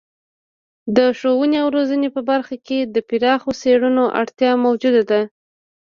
د ښوونې او روزنې په برخه کې د پراخو څیړنو اړتیا موجوده ده.